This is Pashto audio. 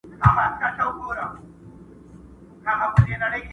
هارون جان ته د نوي کال او پسرلي ډالۍ:،